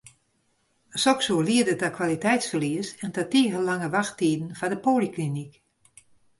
Soks soe liede ta kwaliteitsferlies en ta tige lange wachttiden foar de polyklinyk.